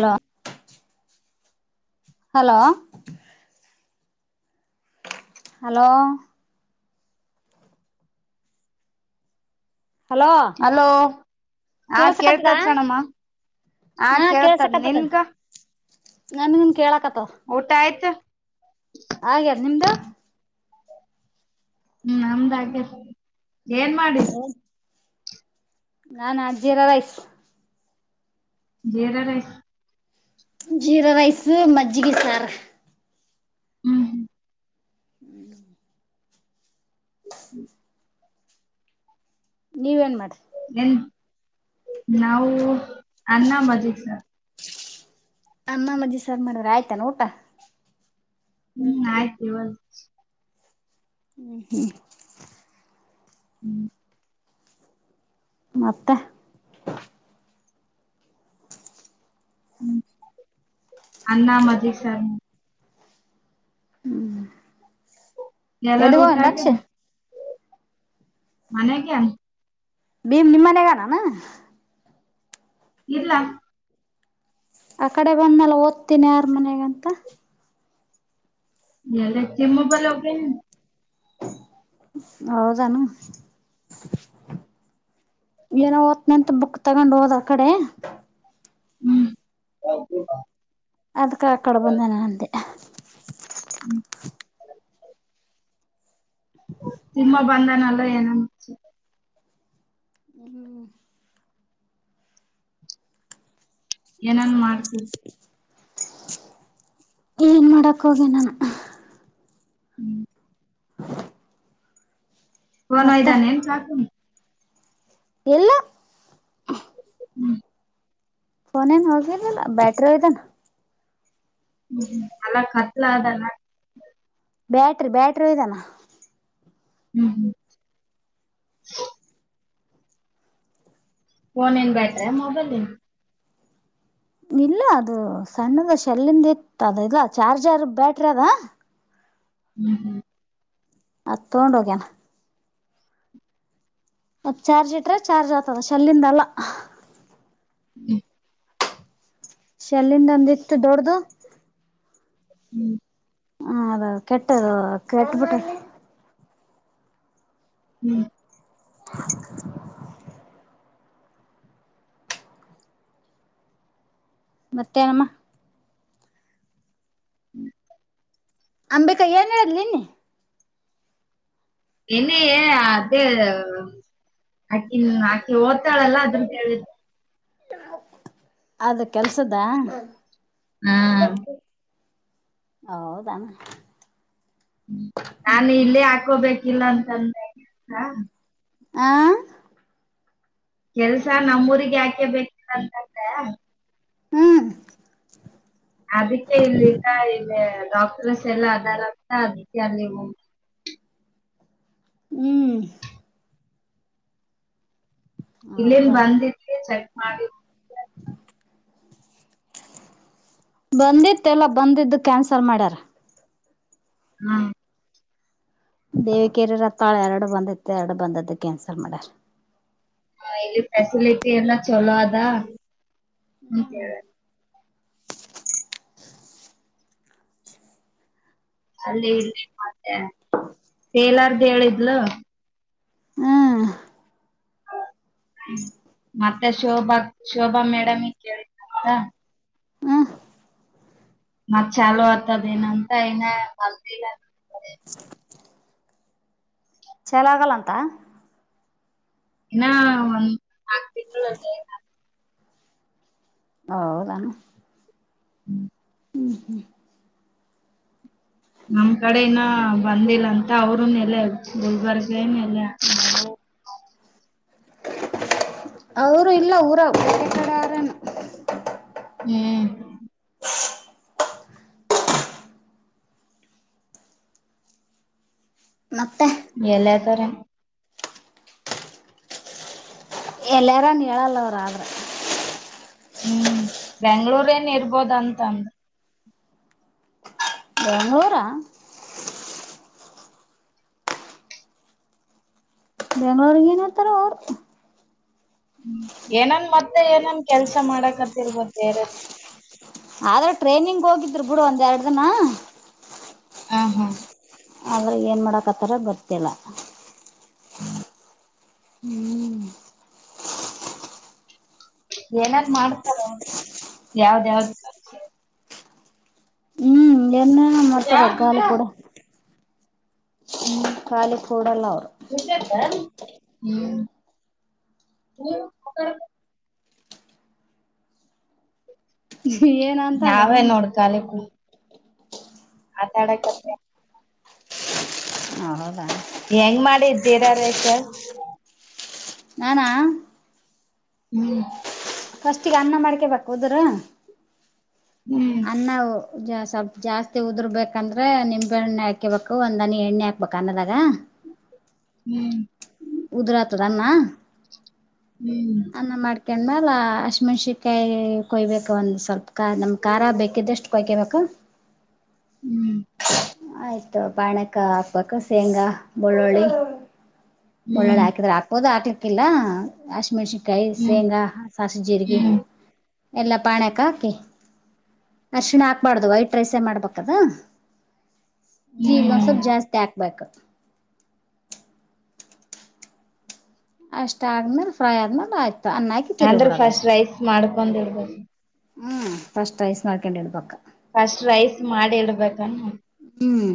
Hello. Hello. Hello. Hello hello ಹಾ ಕೇಳ್ಸಕತ್ತದ ಕೇಳ್ತದ ಕಣಮ್ಮ. ಹಾ ಕೆಳಸ್ತದ ನಿನ್ಗೆ. ನನ್ಗುನ ಕೇಳಕತ್ತವ. ಊಟ ಆಯ್ತು. ಹಾಗ್ಯಾದಾ ನಿಮ್ದು. ನಮ್ದು ಆಗ್ಯತಾ, ಏನ್ ಮಾಡಿದ್ದೆ. ಹ. [unintelligible] ನಾನ jeera rice. Jeera rice. Jeera rice ಮಜ್ಜಿಗೆ ಸಾರ. [inaudible] [inaudible] [inaudible] ನೀವ ಏನ್ ಮಾಡಿರಿ. ಎನ್ ನಾವು ಅನ್ನ ಮಜ್ಜಿಗಿ ಸಾರ್. ಅನ್ನ ಮಜ್ಜಿಗ ಸರ್ ಮಾಡ್ರೆ ಆಯ್ತಾನ ಊಟಾ. ಹ್ಮ್ ಆಯ್ತ್ ಇವಗ. [inaudible] [inaudible] ಮತ್ತೆ. ಹ್ಮ ಅನ್ನ ಮಜ್ಜಿಗಿ ಸಾರ. [inaudible] ಎಲ್ಲಾರ ಎಲ್ಲಿಗೋ ಊಟ ದಕ್ಷ ಆಗ್ಯಾದ. ಮನೆಗೆ ಆನ. ಭಿಮ್ ನಿಮ್ಮ ಮನೆಗ್ಯಾ ಅನಾ ಏನ್. ಇಲ್ಲ. ಆ ಕಡೆ ಬಂದ್ಲ್ಲ ಓದ್ತೀನಿ ಯಾರ ಮನೆಗಂತ. ಎಲ್ಲೇ [unintelligible] ಬಲ್ಲಿ ಹೋಗೇನೆ. ಹೌದನು. ಏನೋ ಓದ್ನ ಅಂತ ಬುಕ್ ತಗೊಂಡ್ ಹೋದ್ ಆ ಕಡೆ. [inaudible] ಅದ್ಕ ಆ ಕಡೆ ಬಂದಾನ ಅಂದೆ. [inaudible] ತಿಮ್ಮ ಬಂದನಲ್ಲ ಏನನು. [inaudible] ಏನನ್ ಮಾಡ್ತ. ಏನು ಮಾಡೋಕ್ಕ ಹೋಗಿ ಏನು. [inaudible] ಫೋನ್ ಮತ್ತೆ ವೈದಾನೇನು ಕಾಕಿ. ಇಲ್ಲ. [inaudible] ಫೋನೇನ್ ಹೋಗಿಲ್ಲ ಬ್ಯಾಟರಿ ವೈದನಾ. ಹ್ಮ್ ಹ್ಮ್ ಅಲ್ಲ ಕತ್ಲ ಅದಲ್ಲ. Battery battery ವೈದನಾ. [inaudible] ಫೋನ್ ನಿನ್ ಬ್ಯಾಟ್ರೆ ಮೊಬೈಲ್ ನಿನ್. ಇಲ್ಲ ಅದು ಸಣ್ಣದ ಶೆಲ್ಲಿಂದ ಇತ್ತು ಅದ ಇಲ್ಲ ಚಾರ್ಜರ್ ಬ್ಯಾಟ್ರಿ ಅದ. [inaudible] ಅದು ತೊಗೊಂಡು ಹೋಗ್ಯಾನ. ಅದ ಚಾರ್ಜ್ ಇಟ್ರೆ ಚಾರ್ಜ್ ಆಗ್ತದ ಶಲ್ಲಿಂದಲ್ಲ. [inaudible] ಶಲ್ಲಿಂದ ಅಂದ ಇತ್ತು ದೊಡ್ಡ್ದ. ಹ್ಮ ಹ್ಮ ಅದು ಕೆಟ್ಟದು ಕೆಟ್ಟಬಿಟ್ಟದ. ಹ್ಮ್ [unintelligible] ಮತ್ತೇನಮ್ಮ, ಹ್ಮ್ ಅಂಬಿಕಾ ಏನು ಹೇಳಿದ್ಲು ನಿನ್ನೆ. ನಿನ್ನೆ ಅದೇ ಅಕಿ ಅಕಿಹೋಗ್ತಾಳಲ್ಲ ಅದುರ್ದು ಹೇಳಿದ್ಲು. ಅದು ಕೆಲಸದ. ಹ್ಮ ಹೌದೇನು ನಾನಿಲ್ಲೆ ಹಾಕೋಬೇಕ್ ಇಲ್ಲಾ ಅಂತ ಅಂದೆ ಕೆಲಸ. ಹಾಂ ಕೆಲಸ ನಮ್ಮೂರಿಗೆ ಆಕ್ಯಾ ಬೇಕಿಲ್ಲ ಅಂತ ಅಂದೆ. ಹ್ಮ್ ಅದಿಕ್ಕೆ ಇಲ್ಲೆಲ್ಲ ಇಲ್ಲಿ ಡಾಕ್ಟರ್ಸ್ ಎಲ್ಲ ಅದರ ಅಂತ ಅದಕ್ಕೆ ಅಲ್ಲಿ ಹೋಗಿ. ಹ್ಮ್ ಇಲ್ಲೇನ್ ಹೌದನ ಬಂದೈತೆ ಚೆಕ್ ಮಾಡೈತೆ. ಬಂದಿತ್ತು ಎಲ್ಲಾ ಬಂದಿದ್ದು ಕ್ಯಾನ್ಸಲ್ ಮಾಡ್ಯಾರ. ಹ್ಮ ದೇವಿಕೇರ ರತ್ತಾಳ ಎರಡು ಬಂದಿತ್ತು ಎರಡು ಬಂದದ್ದು ಕ್ಯಾನ್ಸಲ್ ಮಾಡ್ಯಾರ. ಹಾ ಇಲ್ಲಿ ಫೆಸಿಲಿಟಿ ಎಲ್ಲಾ ಚಲೋ ಅದಾ. ಅಲ್ಲಿ ಇಲ್ಲಿ ಮತ್ತೆ ಟೇಲರ್ದು ಹೇಳಿದ್ಲು. ಹ್ಮ್ ಹ್ಮ ಮತ್ತೆ ಶೋಭಾ ಶೋಭಾ ಮೇಡಂಗ ಕೇಳಿದ್ಳು ಅಂತ. ಹ್ಮ್ ಮತ್ತು ಚಾಲು ಆಗ್ತದ ಏನ್ ಅಂತ. [inaudible] ಚಲೋ ಆಗಲ್ಲ ಅಂತ. ಇನ್ನ ಒಂದ್ ನಾಲ್ಕು ತಿಂಗಳ ಟೈಮ್. ಹೌದೇನು. ಹ್ಮ್ ಹ್ಮ ಹ್ಮ್ ನಮ್ ಕಡೆ ಇನ್ನಾ ಬಂದಿಲ್ಲ ಅಂತ ಅವ್ರರುನು ಎಲ್ಲೆ ಗುಲ್ಬರ್ಗ ಎನ್ ಎಲ್ಲೆ ಅಂದರಂತ. ಅವರು ಇಲ್ಲ ಊರಾಗ ಬೇರೆ ಕಡೆ ಹಾರ ಏನು. ಹ್ಮ್ [inaudible] ಮತ್ತೆ ಎಲ್ಲಿ ಆತಾರೇನು. ಎಲ್ಲಿ ಆರಾ ಏನ್ ಹೇಳಲ್ಲ ಅವರು ಆದ್ರಾ. ಹ್ಮ್ ಬೆಂಗಳೂರ್ ಏನ್ ಇರ್ಬೋದ ಅಂತ ಅಂದ್ರು. ಬೆಂಗಳೂರು ಹಾ, ಬೆಂಗಳೂರಿಗೆ ಏನ್ ಇರ್ತಾರವ ಅವರು. ಹ್ಮ ಏನನ್ ಮತ್ತೆ ಏನನ್ನ ಕೆಲಸ ಮಾಡಕಂತ ಇರಬಹುದು ಬೇರೆ. ಆದ್ರೆ ಟ್ರೈನಿಂಗ್ ಹೋಗಿದ್ರು ಬಿಡು ಒಂದೆರಡು ದಿನ. ಹಾ ಹಾ ಆದ್ರೆ ಏನ್ ಮಾಡಾಕತ್ತಾರ ಗೊತ್ತಿಲ್ಲ. ಹ್ಮ್ ಹ್ಮ್ ಏನಾರ ಮಾಡ್ತಾರ ಯಾವ್ದ ಯಾವ್ದ ಹ್ಮ್ ಏನೇನ ಮಾಡ್ತಾರ ರೊಕ್ಕ ಅಲ್ಲಿ ಕೊಡು ಹ್ಮ್ ಖಾಲಿ ಕೂಡಲ್ಲ ಅವ್ರು ಹ್ಮ ಏನಂತಾಳೆ ನಾವೇ ನೋಡ್ ಮಮ್ಮ ಖಾಲಿ ಆಟ್ ಆಡಕತ್ತಿನಿ ಹೌದಾ ಹೆಂಗ ಮಾಡಿದ್ ಜೀರಾ ರೈಸ್ ನಾನಾ ಹ್ಮ್ ಫಸ್ಟಿಗೆ ಅನ್ನ ಮಾಡ್ಕೇಬೇಕು ಉದ್ರ ಹ್ಮ್ ಸ್ವಲ್ಪ್ ಜಾಸ್ತಿ ಉದುರ್ಬೇಕಂದ್ರೆ ನಿಂಬೆಹಣ್ಣ ಹಾಕಿಬೇಕು ಒಂದ ಹನಿ ಎಣ್ಣೆ ಹಾಕ್ಬೇಕು ಅನ್ನದಾಗ ಹ್ಮ್ ಉದರ ಆತದ ಅನ್ನ ಹ್ಮ್ ಅನ್ನ ಮಾಡ್ಕೊಂಡ್ ಮ್ಯಾಲ ಹ ಶಿಮೆಣ್ಸಿಕಾಯಿ ಕೊಯ್ಬೇಕ ಒಂದ್ ಸ್ವಲ್ಪ ನಮ್ ಖಾರ ಬೇಕಿದಷ್ಟು ಕೊಯ್ಕೊಬೇಕ [unintelligible] ಹ್ಮ್ ಆಯ್ತು ಪಾನೆಕ್ಕ ಹಾಕ್ಬೇಕ ಶೇಂಗಾ ಬೆಳ್ಳುಳ್ಳಿ ಬಳ್ಳೊಳ್ಳಿ ಹ್ಮ್ ಹಾಕಿದ್ರ ಹಾಕ್ಬೋದು ಹಾಕ್ಲಿಕ್ಕಿಲ್ಲ ಹಸಿಮೆಣ್ಸಿನ್ಕಾಯಿ ಹ್ಮ್ ಶೇಂಗಾ ಸಾಸ್ವೆ ಜೀರಗಿ ಹ್ಮ್ ಎಲ್ಲ ಪಾನೇಕ ಹಾಕಿ ಅರ್ಶಣ ಹಾಕ್ಬಾರ್ದು ವೈಟ್ ರೈಸೇ ಮಾಡ್ಬೇಕ ಅದು ಜೀರಿಗೆ ಒಂದ ಹ್ಮ್ ಸ್ವಲ್ಪ್ ಜಾಸ್ತಿ ಹಾಕ್ಬೇಕ ಅಷ್ಟ ಆದ್ಮೇಲೆ ಫ್ರೈ ಆದ್ಮೇಲೆ ಆಯ್ತು ಅನ್ನ ಹಾಕಿ ತಿರುವಿ ಅಂದ್ರೆ ಬಿಡೋದ ಫಸ್ಟ್ ಅಷ್ಟೇ ರೈಸ್ ಮಾಡ್ಕೊಂಡ್ ಇಡಬೇಕ ಹ್ಮ್ ಫಸ್ಟ್ ರೈಸ್ ಹಾಕೊಂಡಿರ ಬೇಕ ಫಸ್ಟ್ ರೈಸ್ ಮಾಡಿ ಇಡಬೇಕ ಏನ್ ಹ್ಮ್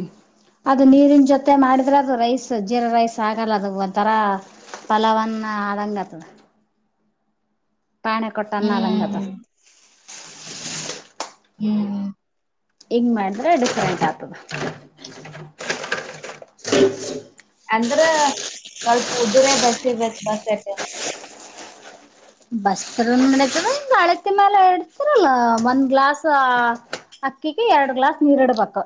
ಅದು ನೀರಿನ ಜೊತೆ ಮಾಡಿದ್ರೆ ಅದು ರೈಸ್ ಜೀರಾ ರೈಸ್ ಆಗಲ್ಲ ಅದು ಒಂಥರಾ ಪಲಾವ್ ಅನ್ನ ಆದಂಗ ಆತದ ಪಾನೇ ಕೊಟ್ಟ ಅನ್ನ ಆದಂಗ ಆತದ ಹ್ಮ್ ಹ್ಮ್ ಹಿಂಗ್ ಮಾಡಿದ್ರೆ ಡಿಫ್ರೆಂಟ್ ಆಗ್ತದೆ [unintelligible] ಅಂದ್ರ ಸ್ವಲ್ಪ ಉದುರ ಬಸಿ ಬೇಕ ಬಸುದ್ರು ಏನ್ ಮಾಡದ್ರು ಮ್ಯಾಲ ಇಡ್ತರಲ್ಲ ಒಂದ್ ಗ್ಲಾಸ್ ಅಕ್ಕಿಗೆ ಎರಡು ಗ್ಲಾಸ್ ನೀರ್ ಇಡಬೇಕ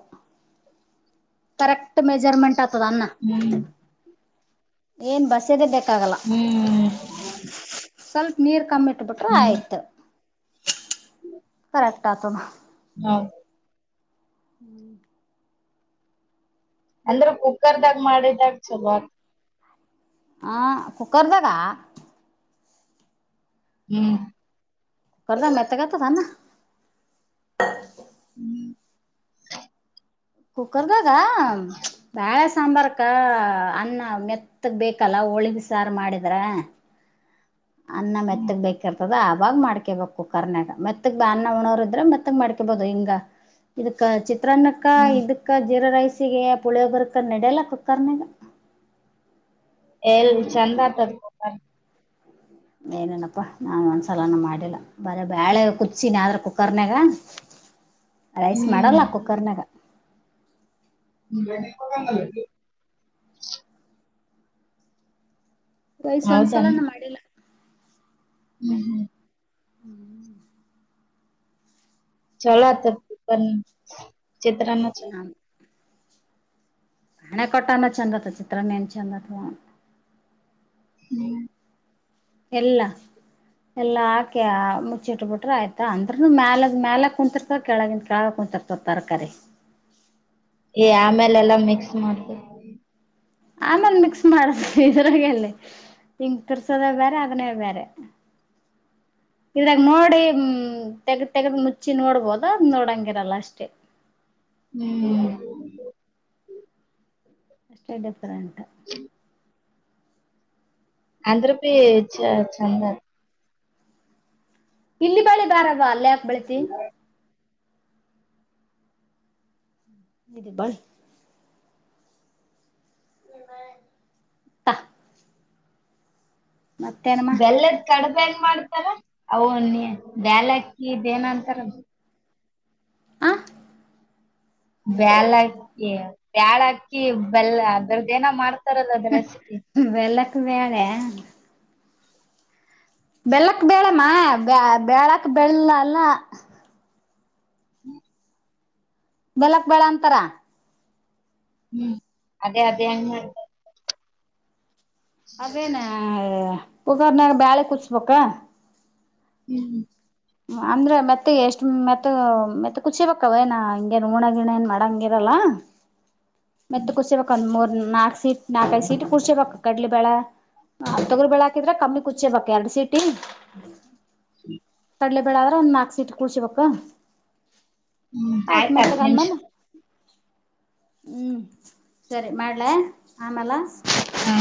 ಕರೆಕ್ಟ್ ಮೆಜರ್ಮೆಂಟ್ ಆಗ್ತದ ಅನ್ನ ಹ್ಮ್ ಏನ್ ಬಸದೆ ಬೇಕಾಗಲ್ಲ ಹ್ಮ್ ಸ್ವಲ್ಪ ನೀರ್ ಕಮ್ಮಿಟ್ಬಿಟ್ರ ಹ್ಮ್ ಆಯ್ತ ಕರೆಕ್ಟ್ ಆಗ್ತದ ಹ್ಮ ಹ್ಹ್ಮ್ಮ್ ಅಂದ್ರ ಕುಕ್ಕರ್ದಾಗ ಮಾಡಿದಾಗ ಚಲೋ ಹ ಕುಕ್ಕರ್ದಾಗ? ಹ್ಮ್ ಬಾರ್ಲ ಮೆತ್ತಗಾತದ ಅನ್ನ. ಹ್ಮ್ಮ್ ಕುಕ್ಕರ್ದಾಗ ಬಾಳ್ ಸಾಂಬಾರ್ ಅಕ್ಕ ಅನ್ನ ಮೆತ್ತಗ್ ಬೇಕಲ್ಲ ಓಳಿಗೆ ಸಾರ್ ಮಾಡಿದ್ರೆ ಅನ್ನ ಮೆತ್ತಗ್ ಬೇಕಿರ್ತದ ಆವಾಗ್ ಮಾಡ್ಕೇಬೇಕ್ ಕುಕ್ಕರ್ನಾಗ ಮೆತ್ತಗ್ ಅನ್ನ ಉಣವ್ರ ಇದ್ರೆ ಮತ್ತಗ್ ಮಾಡ್ಕೊಬಹುದು ಹಿಂಗ ಇದಕ್ಕ ಚಿತ್ರಾನ್ನಕ್ಕ ಇದಕ್ಕ ಜೀರಾ ರೈಸಿಗೆ ಪುಳಿಯೋಗರಕ ನಡೆಯಲ್ಲ ಕುಕ್ಕರ್ನಾಗ. ಎಲ್ ಚಂದ ಆತದ ಏನೇನಪ್ಪಾ ನಾನ್ ಒಂದ್ಸಲಾನ ಮಾಡಿಲ್ಲ. ಬರ ಬ್ಯಾಳೆ ಕುುದುಸಿ ಮಾಡಿಕೊ ಕುಕ್ಕರ್ನಯಾಗ ರೈಸ್ ಹ್ಮ್ ಮಾಡಲ್ಲ ಕುಕ್ಕರ್ನಾಗ. [inaudible] ರೈಸ್ ಹೌದನ್ ಒಂದ್ಸಲಾನ ಮಾಡ್ ಹ್ಮ್ ಹ್ಮ್ ಹ್ಮ್ ಹ್ಹ್ಮ್ಮ್ [unintelligible] ಹಣೆ ಕೊಟ್ಟಾನ ಚಂದತ್ ಚಿತ್ರನ್ನ ಏನ್ ಚಂದತ್ವೋ ಹ್ಮ್ ಎಲ್ಲ ಎಲ್ಲಾಕಿ ಮುಚ್ಚಿಟ್ ಬಿಟ್ರೆ ಆಯ್ತ ಅಂದ್ರನು ಮ್ಯಾಲದ ಮ್ಯಾಲ ಕುಂತಿರ್ತದಿ ಕೆಳಗಿಂದ ಕೆಳಗ ಕುಂತಿರ್ತದೆ. ತರ್ಕಾರಿ ಏ ಆಮೇಲೆಲ್ಲಾ ಮಿಕ್ಸ್ ಮಾಡಿ ಆಮೇಲೆ ಮಿಕ್ಸ್ ಮಾಡ ಇದ್ರಾಗೆಲ್ಲಿ ತಿರಗ್ಸೋದ ಬೇರೆ ಅದನೇ ಬೇರೆ ಇದ್ರಾಗ ನೋಡಿ ಹ್ಮ ತೆಗ್ದ ತೆಗದ ಮುಚ್ಚಿ ನೋಡ್ಬೋದು ಅದ್ರಾಗ್ ನೋಡಂಗಿರಲ್ಲ ಅಷ್ಟೇ. ಹ್ಮ್ಮ್ ಅಷ್ಟೇ ಡಿಫರೆಂಟ್ ಅಂದ್ರಬಿ ಚ ಚಂದ ಇಲ್ಲಿ ಬಳಿ ಬಾರವ ಅಲ್ಲೇ ಯಾಕ್ ಬೆಳಿತಿ ನಿಧಿ ಬಾ ತಾ.. ಮತ್ತೇನು ಬೆಲ್ಲದ್ ಕಡ್ಬ ಹೆಂಗ ಮಾಡ್ತಾರೆ ಅವನ ಬ್ಯಾಲ ಅಕ್ಕಿ ಇದೇನ ಅಂತಾರಲ್ಲ. ಆ ಬ್ಯಾಲಕಿ ಬ್ಯಾಳಕ್ಕಿ ಬೆಲ್ಲ ಅದ್ರುದು ಏನೋ ಮಾಡ್ತಾರಲ್ಲ ಅದ್ರು ರೆಸಿಪಿ ವೆಲ್ಲಕ್ ವೇಳೆ ಬೆಲ್ಲಕ್ ಬೇಳಮ್ಮ ಬ ಬಳಕ್ ಬೆಲ್ಲ ಅಲ್ಲ. ಹ್ಮ್ ಬೆಲಕ್ ಬೇಳೆ ಅಂತರ ಹ್ಮ್ ಅದೇ ಅದೇ ಅಂಗ ಮಾಡು ಅದೇನ ಕುಕ್ಕರ್ರ್ನಾಗ ಬ್ಯಾಳೆ ಕುೂದುಸ್ಬೇಕ? ಹ್ಮ್ ಅಂದ್ರೆ ಮತ್ತೆ ಎಷ್ಟು ಮತ್ತ ಮತ್ತೆ ಕುಷಿಬೇಕವ ನ ಹಿಂಗೇನು ಊಣ ಗಿಣ ಏನ್ ಮಾಡಂಗಿರಲ್ಲ ಮತ್ತತ್ ಕುರ್ಸಬೇಕ ಒಂದ್ ಮೂರ್ ನಾಕ್ ಸೀಟ್ ನಾಕೈ್ ಸೀಟ್ ಕುರ್ಸಿಬೇಕ ಕಡ್ಲಿ ಬ್ಯಾಳ ತೊಗರು ಬೆಳ ಹಾಕಿದ್ರೆ ಕಮ್ಮಿ ಕುಚ್ಚೇ ಬಬೇಕಕ್ ಎರಡ್ ಸೀಟಿ ಹ್ಮ ಕಡ್ಲೆ ಬೆಳಾದ್ರ ಒಂದ್ ನಾಲ್ಕು ಸೀಟ್ ಕುೂಳ್ಸಬಕ್ ಹ್ಮ್ ಆಯ್ತ್ ಹತ್ತ್ ಮೆತ್ತಾಗ ನಿಮಿಷ ಅಂದ್ಮೇಲೆ ಹ್ಞೂ ಸರಿ ಮಾಡಲ ಆಮೇಲ ಹಾ